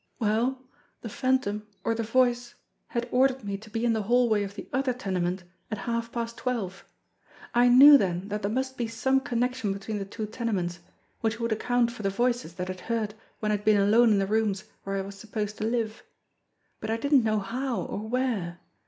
Well, the Phantom, or the Voice, had ordered me to be in the hallway of the other tenement at half past twelve. I knew then that there must be some connec tion between the two tenements, which would account for the voices that I had heard when I had been alone in the rooms where I was supposed to live. But I didn't know how, or where.